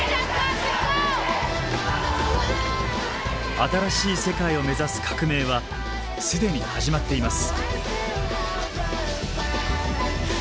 新しい世界を目指す革命は既に始まっています。